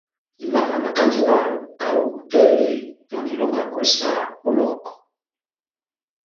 Imamanakandi na kaho hotɛli jɔ́ndi ilongakwɛ saha ó Lɔhɔkɔ.